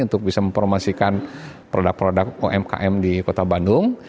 untuk bisa mempromosikan produk produk umkm di kota bandung